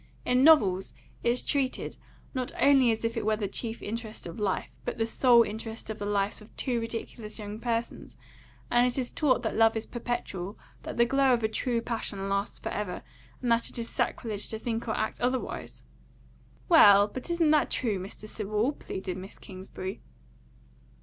In novels it's treated, not only as if it were the chief interest of life, but the sole interest of the lives of two ridiculous young persons; and it is taught that love is perpetual, that the glow of a true passion lasts for ever; and that it is sacrilege to think or act otherwise." "Well, but isn't that true, Mr. Sewell?" pleaded Miss Kingsbury.